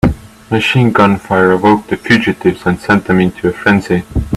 Machine gun fire awoke the fugitives and sent them into a frenzy.